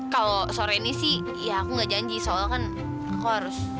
kalau sore ini sih ya aku nggak janji soal kan aku harus